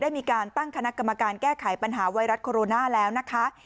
มีการตั้งคณะกรรมการแก้ไขปัญหาไวรัสโคโรนาแล้วนะคะ